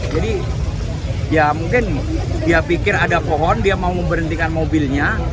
jadi ya mungkin dia pikir ada pohon dia mau memperhentikan mobilnya